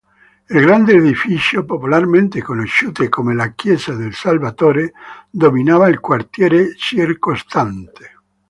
Il grande edificio, popolarmente conosciute come la Chiesa del Salvatore, dominava il quartiere circostante.